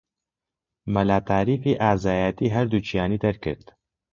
مەلا تاریفی ئازایەتیی هەردووکیانی دەکرد